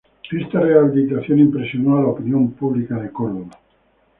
Esta rehabilitación impresionó a la opinión pública de Córdoba.